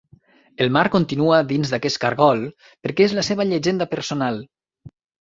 El mar continua dins d'aquest cargol, perquè és la seva Llegenda Personal.